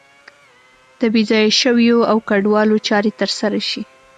د بې ځایه شویو او کډوالو چارې تر سره شي.